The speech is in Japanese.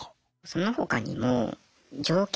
その他にも条件